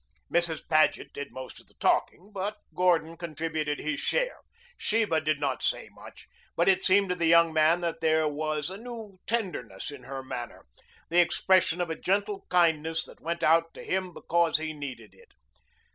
Mrs. Paget did most of the talking, but Gordon contributed his share. Sheba did not say much, but it seemed to the young man that there was a new tenderness in her manner, the expression of a gentle kindness that went out to him because he needed it.